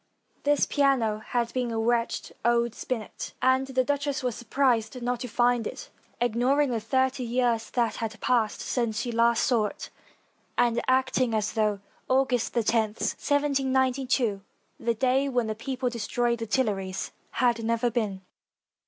This piano had been a wretched old spinet, and the duchess was surprised not to find it, ignoring the thirty years that had passed since she last saw it, and acting as though August lo, 1792, the day when the people de stroyed the Tuileries, had never been.